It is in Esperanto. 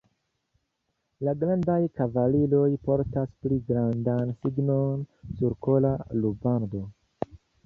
La grandaj kavaliroj portas pli grandan signon, sur kola rubando.